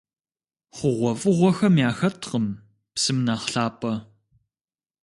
ХъугъуэфӀыгъуэхэм яхэткъым псым нэхъ лъапӀэ.